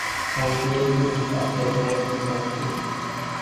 Canadian Music of the Twentieth Century.